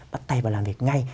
bắt tay vào làm việc ngay